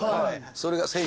それが。